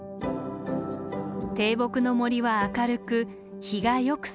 低木の森は明るく日がよくさし込みます。